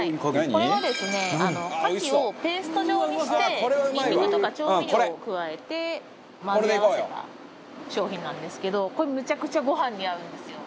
これはですね牡蠣をペースト状にしてにんにくとか調味料を加えて混ぜ合わせた商品なんですけどこれむちゃくちゃご飯に合うんですよ。